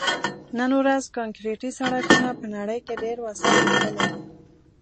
نن ورځ کانکریټي سړکونو په نړۍ کې ډېر وسعت موندلی دی